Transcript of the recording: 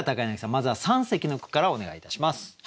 まずは三席の句からお願いいたします。